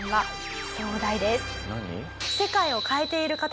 世界を変えている？